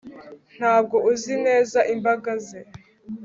Ntabwo uzi neza imbaga ze